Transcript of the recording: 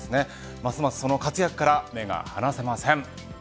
ますますその活躍から目が離せません。